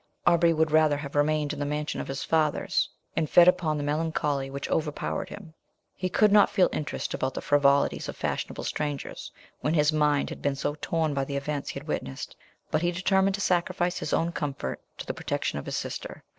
Aubrey would rather have remained in the mansion of his fathers, and fed upon the melancholy which overpowered him. He could not feel interest about the frivolities of fashionable strangers, when his mind had been so torn by the events he had witnessed; but he determined to sacrifice his own comfort to the protection of his sister.